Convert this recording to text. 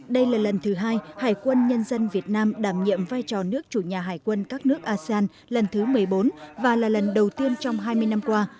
đây là lần thứ hai hải quân nhân dân việt nam đảm nhiệm vai trò nước chủ nhà hải quân các nước asean lần thứ một mươi bốn và là lần đầu tiên trong hai mươi năm qua